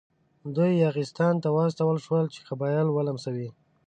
دوی یاغستان ته واستول شول چې قبایل ولمسوي.